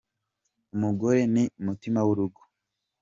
Umugore ni mutima w’urugo.